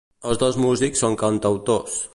Els dos músics són cantautors.